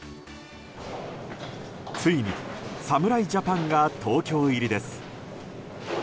ついに侍ジャパンが東京入りです。